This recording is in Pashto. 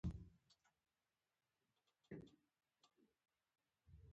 راکټ یو دقیق الکترونیکي سیستم لري